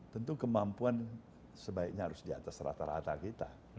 tentu kemampuan sebaiknya harus diatas rata rata kita